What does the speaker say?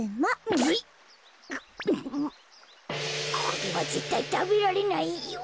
これはぜったいたべられないよ。